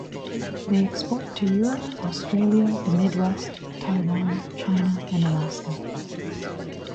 They export to Europe, Australia, the Mid West, Taiwan, China and Alaska.